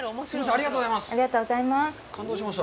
ありがとうございます。